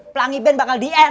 pelangi band bakal di end